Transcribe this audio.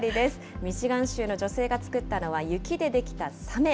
ミシガン州の女性が作ったのは、雪で出来たサメ。